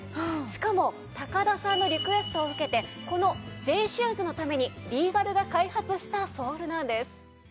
しかも高田さんのリクエストを受けてこのＪシューズのためにリーガルが開発したソールなんです。